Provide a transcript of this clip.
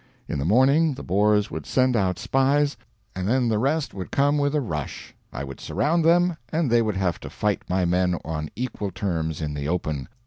In the morning the Boers would send out spies, and then the rest would come with a rush. I would surround them, and they would have to fight my men on equal terms, in the open.